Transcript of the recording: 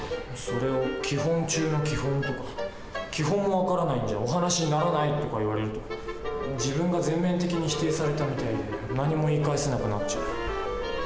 それを「基本中の基本」とか「基本も分からないんじゃお話にならない」とか言われると自分が全面的に否定されたみたいで何も言い返せなくなっちゃう。